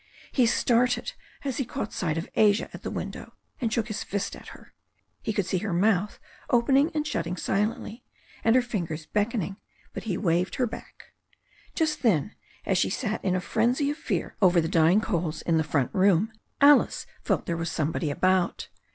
He started as he caught sight of Asia at the window, and shook his fist at her. He could see her mouth opening and shutting silently, and her fingers beckoning, but he waved her back. Just then, as she sat in a frenzy of fear over the dying coals in the front room, Alice felt there was somebody about.